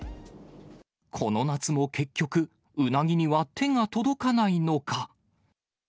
この夏も結局、うなぎには手が届かないのか。